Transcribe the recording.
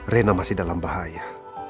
rena masih dalam bahaya